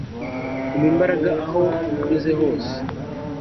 umpa imbaraga aho nyuze hose